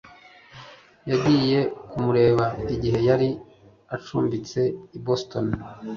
yagiye kumureba igihe yari acumbitse i boston